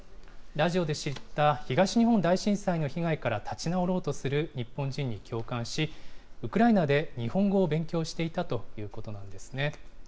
ラジオで知った東日本大震災の被害から立ち直ろうとする日本人に共感し、ウクライナで日本語を勉強していたということなんですね。